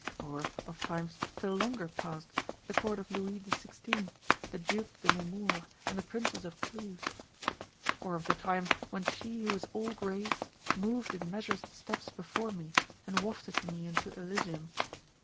Or of times still longer past, the court of Louis XVI., the Duke de Nemours and the Princess of Cleves ? Or of the time when she who was all grace moved in measured steps before me, and wafted me into Elysium